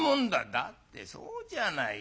「だってそうじゃないか。